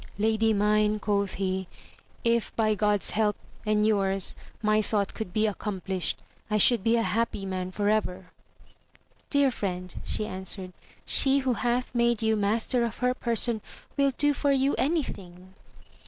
Lady mine, quoth he, if by God's help and your's my thought could be accomplished, I should be a happy man for ever. Dear friend, she answered, she who hath made you master of her person will do for you any thing